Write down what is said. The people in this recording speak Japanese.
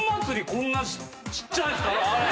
こんなちっちゃいんすか？